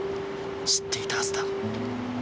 知っていたはずだ。